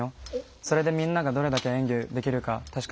それでみんながどれだけ演技できるか確かめてみよう。